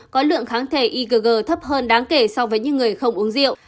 có lượng kháng thể igg thấp hơn đáng kể so với những người không uống rượu